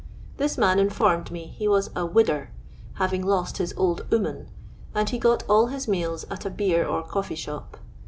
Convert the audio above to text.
This man informed me he was a " widdur, having lost his old *oman, and he got all his meals at a beer or coffee shop.